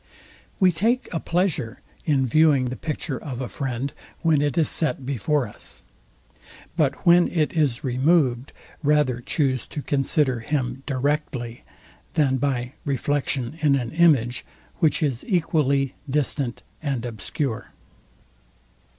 We take a pleasure in viewing the picture of a friend, when it is set before us; but when it is removed, rather choose to consider him directly, than by reflexion in an image, which is equally distinct and obscure.